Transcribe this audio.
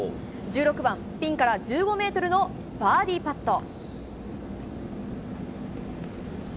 １６番、ピンから１５メートルのバーディーパット。